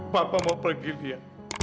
papa mau pergi lia